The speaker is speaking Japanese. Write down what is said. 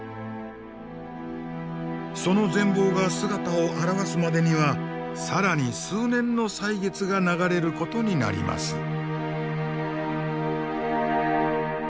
その全貌が姿を現すまでには更に数年の歳月が流れることになります。